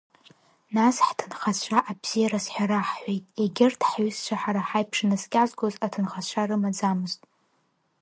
Нас ҳҭынхацәа абзиараз ҳәа раҳҳәеит, егьырҭ ҳҩызцәа ҳара ҳаиԥш инаскьазгоз аҭынхацәа рымаӡамызт.